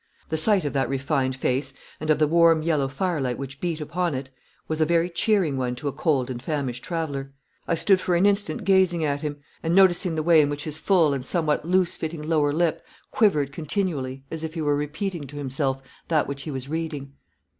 The sight of that refined face, and of the warm yellow firelight which beat upon it, was a very cheering one to a cold and famished traveller. I stood for an instant gazing at him, and noticing the way in which his full and somewhat loose fitting lower lip quivered continually, as if he were repeating to himself that which he was reading.